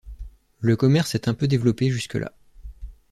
Le commerce est un peu développé jusque-là.